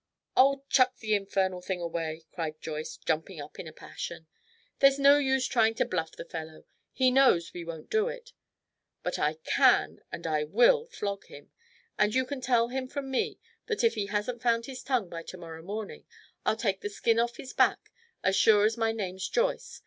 "Oh, chuck the infernal thing away!" cried Joyce, jumping up in a passion. "There's no use trying to bluff the fellow. He knows we won't do it. But I can and I will flog him, and you can tell him from me that if he hasn't found his tongue by to morrow morning I'll take the skin off his back as sure as my name's Joyce.